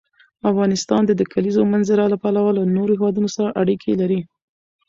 افغانستان د د کلیزو منظره له پلوه له نورو هېوادونو سره اړیکې لري.